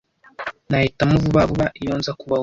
Nahitamo vuba vuba iyo nza kuba wowe.